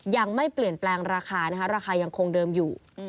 ยังไม่เปลี่ยนแปลงราคานะคะราคายังคงเดิมอยู่